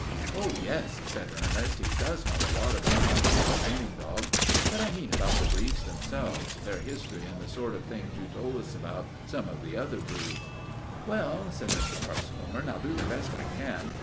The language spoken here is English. "Oh, yes," said Ernest, "he does know a lot about hunting and training dogs, but I mean about the breeds themselves, their history and the sort of things you told us about some of the other breeds." "Well," said Mr. Hartshorn, "I'll do the best I can.